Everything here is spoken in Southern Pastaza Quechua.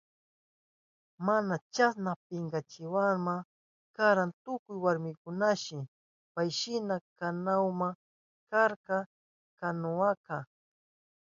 Mana chasna pinkachinahuma karka tukuy warmikunashi payshina kanahuma karka kunankama.